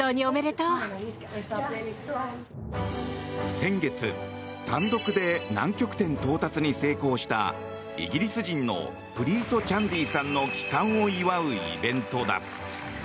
先月、単独で南極点到達に成功したイギリス人のプリート・チャンディさんの帰還を祝うイベントだ。